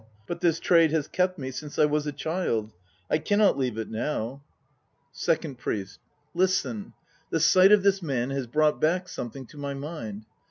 But this trade has kept me since I was a child. I cannot leave it now. 130 THE N5 PLAYS OF JAPAN SECOND PRIEST. Listen. The sight of this man has brought back something to my mind.